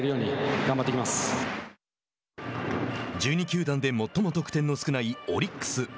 １２球団で最も得点の少ないオリックス。